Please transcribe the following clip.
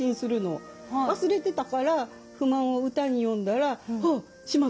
忘れてたから不満を歌に詠んだら「あっしまった。